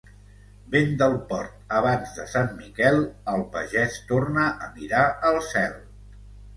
Vent del port abans de Sant Miquel, el pagès torna a mirar el cel.